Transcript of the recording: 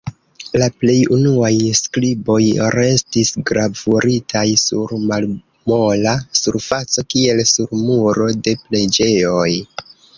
La plej unuaj skriboj restis gravuritaj sur malmola surfaco kiel sur muro de preĝejoj.